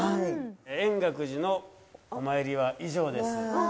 円覚寺のお参りは以上です。